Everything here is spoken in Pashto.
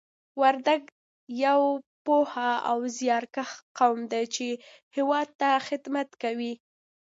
وردګ یو پوه او زیارکښ قوم دی چې هېواد ته خدمت کوي